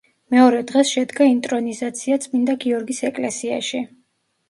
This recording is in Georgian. მეორე დღეს შედგა ინტრონიზაცია წმინდა გიორგის ეკლესიაში.